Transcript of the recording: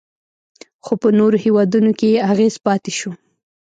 خو په نورو هیوادونو کې یې اغیز پاتې شو